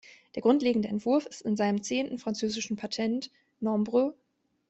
Der grundlegende Entwurf ist in seinem zehnten französischen Patent "No.